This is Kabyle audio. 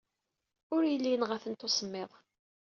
Ur yelli yenɣa-tent usemmiḍ.